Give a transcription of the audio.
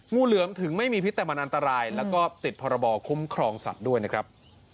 งูเหลือมถึงไม่มีพิษแต่มันอันตรายแล้วก็ติดพรบคุ้มครองสัตว์ด้วยนะครับ